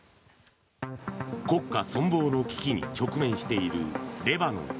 国家存亡の危機に直面しているレバノン。